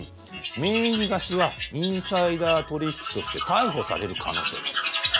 名義貸しはインサイダー取引として逮捕される可能性があります。